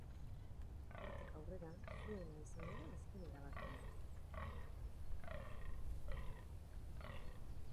Hortik aurrera, zuena izango da azken erabakia.